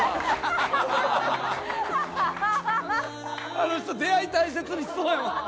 あの人出会い大切にしそうやわ。